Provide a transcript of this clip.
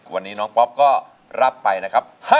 วันนี้น้องป๊อปก็รับไปนะครับ